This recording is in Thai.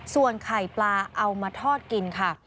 ส่วนไข่ปลาเอามาทอดกินค่ะ